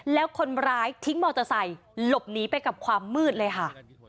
แล้วคนร้ายทิ้งมอเตอร์ไซค์หลบหนีไปกับความมืดเลยค่ะ